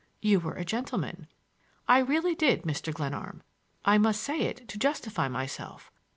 —you were a gentleman. I really did, Mr. Glenarm. I must say it to justify myself.